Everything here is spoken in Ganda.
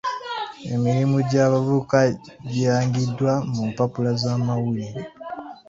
Emirimu gy'abavubuka girangiddwa mu mpapula z'amawulire.